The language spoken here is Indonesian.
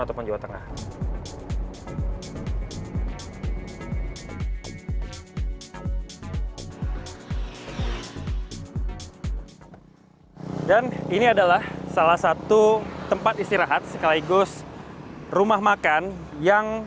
ataupun jawa tengah dan ini adalah salah satu tempat istirahat sekaligus rumah makan yang